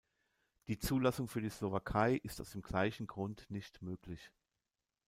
Die Zulassung für die Slowakei ist aus dem gleichen Grund nicht möglich.